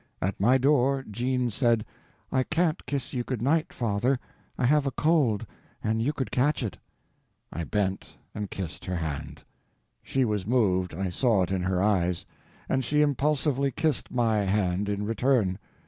At my door Jean said, "I can't kiss you good night, father: I have a cold, and you could catch it." I bent and kissed her hand. She was moved—I saw it in her eyes—and she impulsively kissed my hand in return.